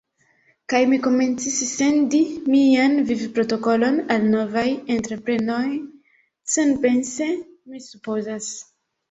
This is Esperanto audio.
Kaj mi komencis sendi mian vivprotokolon al novaj entreprenoj, senpense, mi supozas.